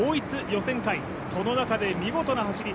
予選会、その中で見事な走り。